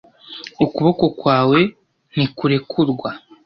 Ukuboko kwawe ntikurekurwa